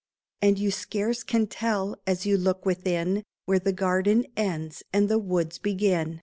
And you scarce can tell, as you look within. Where the garden ends and the woods begin.